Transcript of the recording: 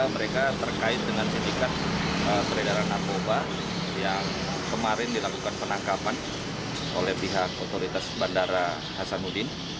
mereka terkait dengan sindikat peredaran narkoba yang kemarin dilakukan penangkapan oleh pihak otoritas bandara hasanuddin